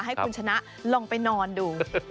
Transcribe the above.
ให้คุณชนะลองไปนอนดู